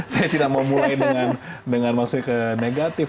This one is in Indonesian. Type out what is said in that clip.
saya tidak mau mulai dengan maksudnya negatif